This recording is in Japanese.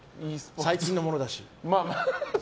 最近のものだし。